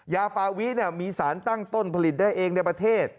ยาฟาวิมีสารตั้งต้นผลิตได้เองในประเทศ